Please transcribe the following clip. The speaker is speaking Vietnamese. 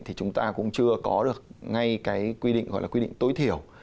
thì chúng ta cũng chưa có được ngay cái quy định gọi là quy định tối thiểu